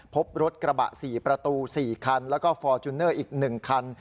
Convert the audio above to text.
พบรถกระบะ๔ประตู๔คันแล้วก็ฟอร์จูเนอร์อีก๑คัน